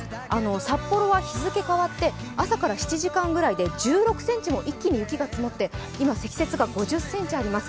札幌は日付変わって朝から７時間ぐらいで１６ｃｍも一気に雪が積もって今、積雪が５０ｃｍあります。